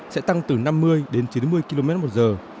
sẽ tăng từ năm mươi đến chín mươi km một giờ